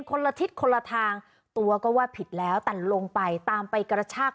คนละทิศคนละทางตัวก็ว่าผิดแล้วแต่ลงไปตามไปกระชาก